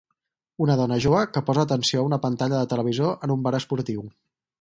Una dona jove que posa atenció a una pantalla de televisor en un bar esportiu